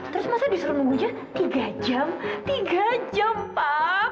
terus masa disuruh nunggunya tiga jam tiga jam pak